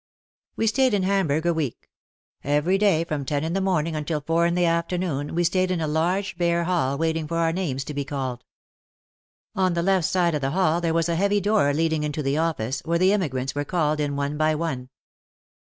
We stayed in Hamburg a week. Every day from ten in the morning until four in the afternoon we stayed in a large, bare hall waiting for our names to be called. On the left side of the hall there was a heavy door leading into the office, where the emigrants were called in one by one.